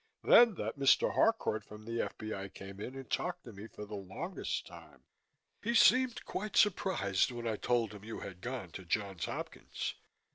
Then that Mr. Harcourt from the F.B.I. came in and talked to me for the longest time. He seemed quite surprised when I told him you had gone to Johns Hopkins.